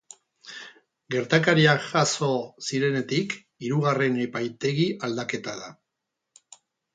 Gertakariak jazo zirenetik hirugarren epaitegi aldaketa da.